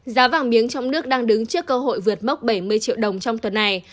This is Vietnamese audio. giá vàng miếng trong nước đang đứng trước cơ hội vượt mốc bảy mươi triệu đồng trong tuần này